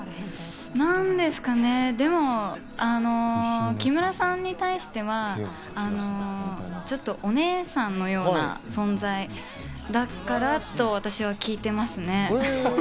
何ですかね、木村さんに対しては、お姉さんのような存在だからと私は聞いてます。